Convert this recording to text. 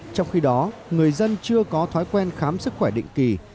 trong khi đó người dân chưa có thói quen khám sức khỏe định kỳ